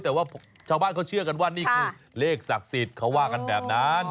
แต่ว่าชาวบ้านเขาเชื่อกันว่านี่คือเลขศักดิ์สิทธิ์เขาว่ากันแบบนั้น